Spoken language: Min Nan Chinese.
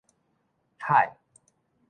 海